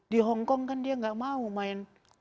di hongkong kan dia nggak mau main